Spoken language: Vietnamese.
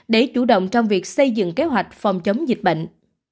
để chủ động trong việc xây dựng kế hoạch phòng chống dịch bệnh